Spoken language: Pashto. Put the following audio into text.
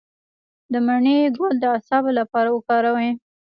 د مڼې ګل د اعصابو لپاره وکاروئ